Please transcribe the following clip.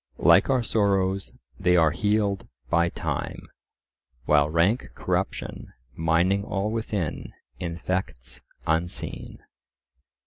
Like our sorrows, they are healed by time; "While rank corruption, mining all within, Infects unseen."